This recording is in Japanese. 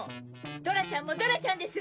ドラちゃんもドラちゃんです！